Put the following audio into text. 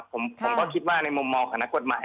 ผมก็คิดว่าในมุมมองของนักกฎหมาย